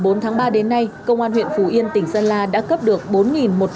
tính từ ngày một mươi bốn tháng ba đến nay công an huyện phù yên tỉnh sơn la đã cấp được